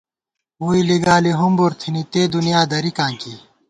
ووئی لِگالی ہُمبُر تھنی، تے دُنیا دَرِکاں کی